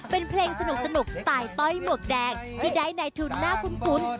เป็นเพลงสนุกสไตล์ต้อยหมวกแดงที่ได้ในทุนน่าคุ้น